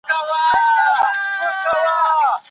ستاسو بدن ستاسو د شخصیت برخه دی.